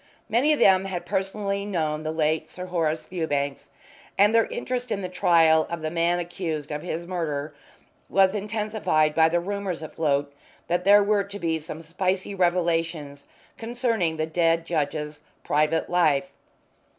Many of them had personally known the late Sir Horace Fewbanks, and their interest in the trial of the man accused of his murder was intensified by the rumours afloat that there were to be some spicy revelations concerning the dead judge's private life.